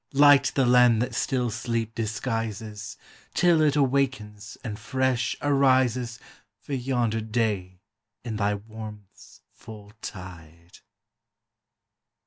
Light the land that still sleep disguises Till it awakens and fresh arises For yonder day in thy warmth's full tide!